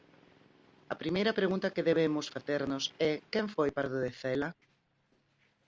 A primeira pregunta que debemos facernos é quen foi Pardo de Cela?